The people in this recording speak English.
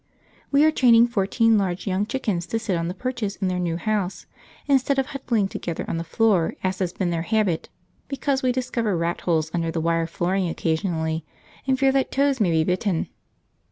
We are training fourteen large young chickens to sit on the perches in their new house, instead of huddling together on the floor as has been their habit, because we discover rat holes under the wire flooring occasionally, and fear that toes may be bitten.